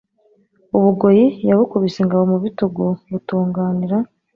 U Bugoyi yabukubise ingabo mu bitugu butunganira